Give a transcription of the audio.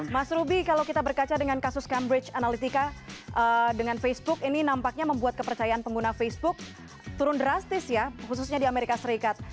mas ruby kalau kita berkaca dengan kasus cambridge analytica dengan facebook ini nampaknya membuat kepercayaan pengguna facebook turun drastis ya khususnya di amerika serikat